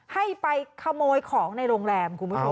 ให้ไปขโมยของในโรงแรมคุณผู้ชม